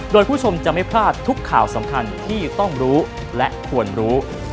โดยผู้ชมจะไม่พลาดทุกข่าวสำคัญที่ต้องรู้และควรรู้